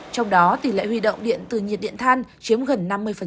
trong đó tỷ lệ huy động điện từ nhiệt điện than chiếm gần năm mươi